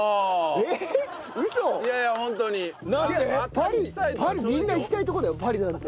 パリみんな行きたいとこだよパリなんて。